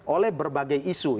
oleh berbagai isu